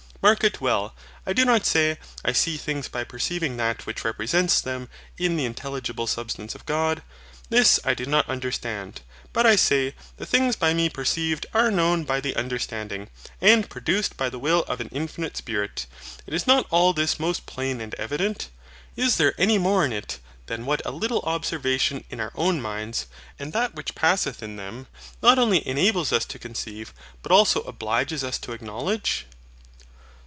MARK it well; I do not say, I see things by perceiving that which represents them in the intelligible Substance of God. This I do not understand; but I say, the things by me perceived are known by the understanding, and produced by the will of an infinite Spirit. And is not all this most plain and evident? Is there any more in it than what a little observation in our own minds, and that which passeth in them, not only enables us to conceive, but also obliges us to acknowledge.